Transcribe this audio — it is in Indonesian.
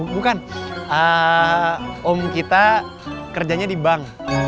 bukan om kita kerjanya di bank